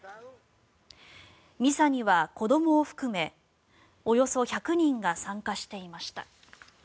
ミサには子どもを含めおよそ１００人が参加していました。